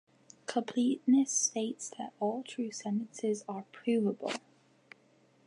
Completeness states that all true sentences are provable.